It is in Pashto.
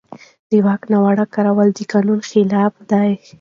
د واک ناوړه کارول د قانون خلاف دي.